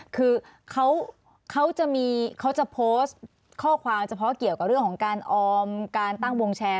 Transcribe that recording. คือเขาจะมีเขาจะโพสต์ข้อความเฉพาะเกี่ยวกับเรื่องของการออมการตั้งวงแชร์